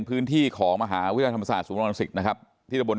พื้นที่ของมหาวิทยาลัยธรรมศาสตร์ศูนย์รังศิษย์นะครับที่ตะบน